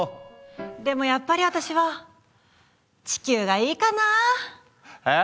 でもやっぱり私は地球がいいかな。え？